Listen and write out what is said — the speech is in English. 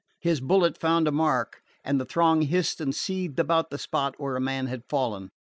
His bullet had found a mark, and the throng hissed and seethed about the spot where a man had fallen.